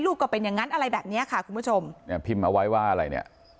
ก็เป็นอย่างนั้นอะไรแบบเนี้ยค่ะคุณผู้ชมเนี่ยพิมพ์เอาไว้ว่าอะไรเนี่ย